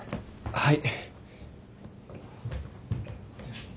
はい。